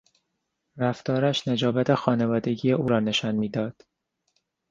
رفتارش نجابت خانوادگی او را نشان میداد.